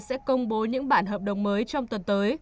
sẽ công bố những bản hợp đồng mới trong tuần tới